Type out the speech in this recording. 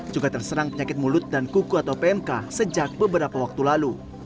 juga terserang penyakit mulut dan kuku atau pmk sejak beberapa waktu lalu